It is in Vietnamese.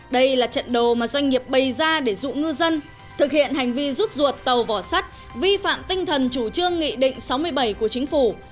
đây là trận đồ mà doanh nghiệp bày ra để dụ ngư dân thực hiện hành vi rút ruột tàu vỏ sắt vi phạm tinh thần chủ trương nghị định sáu mươi bảy của chính phủ